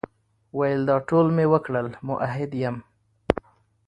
ویل دا ټول مي وکړل، مؤحد یم ،